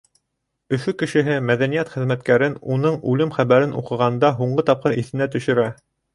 Өфө кешеһе мәҙәниәт хеҙмәткәрен уның үлем хәбәрен уҡығанда һуңғы тапҡыр иҫенә төшөрә.